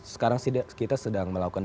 sekarang kita sedang melakukan